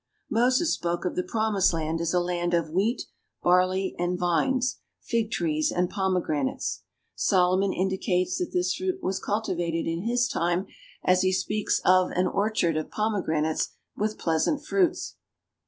Moses spoke of the promised land as a land of "wheat, barley and vines, fig trees and pomegranates." Solomon indicates that this fruit was cultivated in his time as he speaks of an "orchard of pomegranates with pleasant fruits."